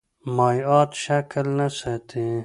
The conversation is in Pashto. مایعات شکل نه ساتي.